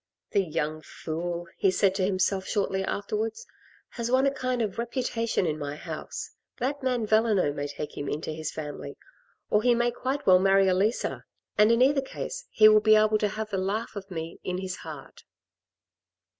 "The young fool," he said to himself shortly afterwards, "has won a kind of reputation in my house. That man Valenod may take him into his family, or he may quite well marry Elisa, and in either case, he will be able to have the laugh of me in his heart."